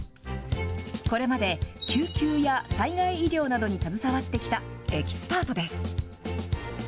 これまで救急や災害医療などに携わってきたエキスパートです。